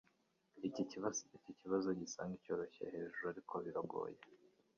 Iki kibazo gisa nkicyoroshye hejuru, ariko rwose biragoye.